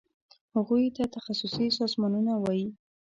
هغوی ته تخصصي سازمانونه وایي.